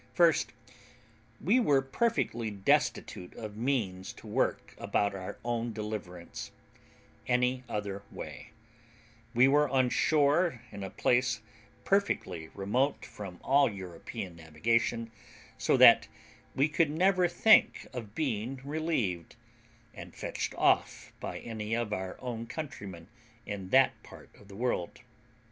First, we were perfectly destitute of means to work about our own deliverance any other way; we were on shore in a place perfectly remote from all European navigation; so that we could never think of being relieved, and fetched off by any of our own countrymen in that part of the world.